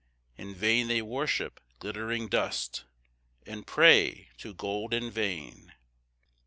In vain they worship glittering dust, And pray to gold in vain.